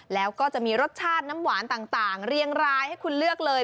แล้วก็จะมีรสชาติน้ำหวานต่างเรียงรายให้คุณเลือกเลย